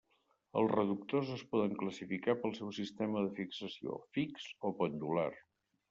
Els reductors es poden classificar pel seu sistema de fixació, fix o pendular.